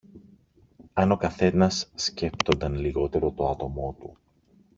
Αν ο καθένας σκέπτονταν λιγότερο το άτομο του